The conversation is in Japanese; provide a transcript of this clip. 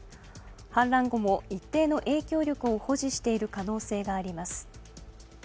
反乱後も一定の影響力を保持している可能性があります。